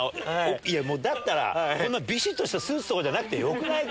だったらこんなビシっとしたスーツじゃなくてよくないか？